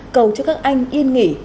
cầu cho các anh yên nghỉ